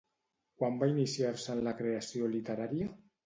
Quan va iniciar-se en la creació literària?